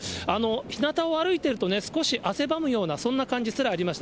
ひなたを歩いているとね、少し汗ばむような、そんな感じすらありました。